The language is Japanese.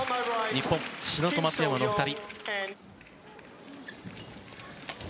日本、志田と松山の２人。